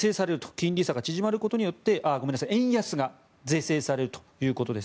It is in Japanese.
金利差が縮まることによって円安が是正されるということです。